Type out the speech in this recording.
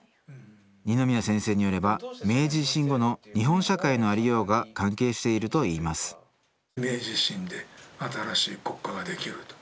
二宮先生によれば明治維新後の日本社会のありようが関係しているといいます明治維新で新しい国家ができると。